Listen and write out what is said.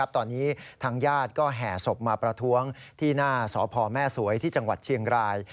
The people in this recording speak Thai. ตอนนี้ทางญาติก็แห่ศพมาประท้วงที่หน้าสพแม่สวยที่จังหวัดเชียงราย